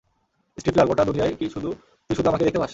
Stifler, গোটা দুনিয়ায় কি তুই শুধু আমাকেই দেখতে পাস?